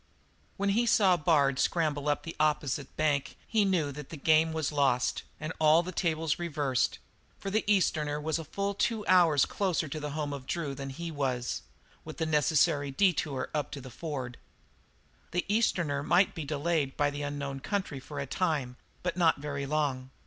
When he saw Bard scramble up the opposite bank he knew that his game was lost and all the tables reversed, for the Easterner was a full two hours closer to the home of Drew than he was, with the necessary detour up to the ford. The Easterner might be delayed by the unknown country for a time, but not very long.